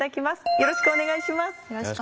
よろしくお願いします。